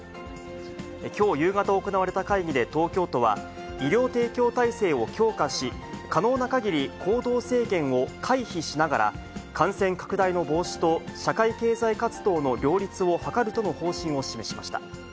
きょう夕方行われた会議で東京都は、医療提供体制を強化し、可能なかぎり、行動制限を回避しながら、感染拡大の防止と社会経済活動の両立を図るとの方針を示しました。